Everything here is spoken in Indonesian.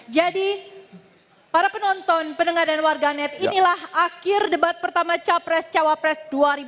jadi para penonton pendengar dan warganet inilah akhir debat pertama capres cawapres dua ribu sembilan belas